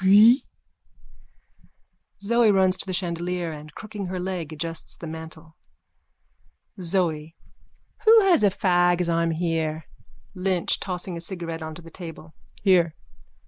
Pfuiiiiiii! (Zoe runs to the chandelier and, crooking her leg, adjusts the mantle.) ZOE: Who has a fag as I'm here? LYNCH: (Tossing a cigarette on to the table.) Here.